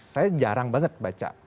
saya jarang banget baca